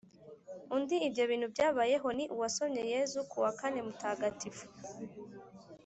undi ibyo bintu byabayeho ni uwasomye yezu ku wa kane mutagatifu